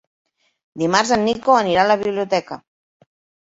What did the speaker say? Dimarts en Nico anirà a la biblioteca.